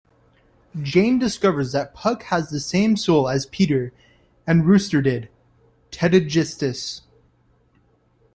Jane discovers that Puck has the same soul as Peter and Rooster did: Tetigistus.